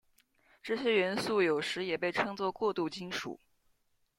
这些元素有时也被称作过渡金属。